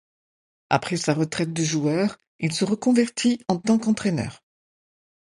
Après sa retraite de joueur, il se reconvertit en tant qu'entraîneur.